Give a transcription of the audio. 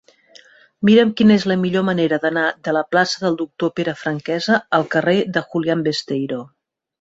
Mira'm quina és la millor manera d'anar de la plaça del Doctor Pere Franquesa al carrer de Julián Besteiro.